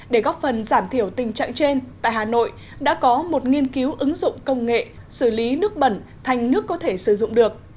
để góp phần giảm thiểu tình trạng trên tại hà nội đã có một nghiên cứu ứng dụng công nghệ xử lý nước bẩn thành nước có thể sử dụng được